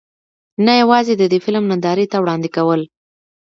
نۀ يواځې د دې فلم نندارې ته وړاندې کول